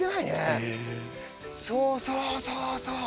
そうそうそうそう。